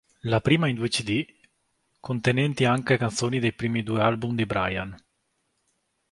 La prima in due cd, contenenti anche canzoni dei primi due album di Bryan.